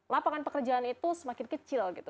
lapangan pekerjaan itu semakin kecil gitu